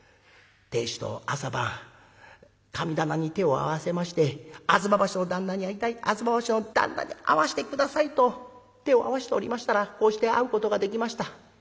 亭主と朝晩神棚に手を合わせまして吾妻橋の旦那に会いたい吾妻橋の旦那に会わして下さいと手を合わしておりましたらこうして会うことができました。